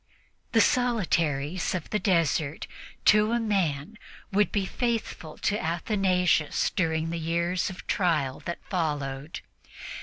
The solitaries of the desert, to a man, would be faithful to Athanasius during the years of trial that followed.